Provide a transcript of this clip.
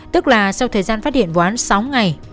tức là sau thời gian phát hiện vụ án sáu ngày